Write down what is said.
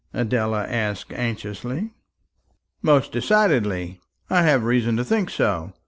Adela asked anxiously. "Most decidedly; I have reason to think so.